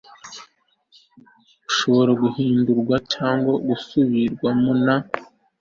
ashobora guhindurwa cyangwa gusubirwamo na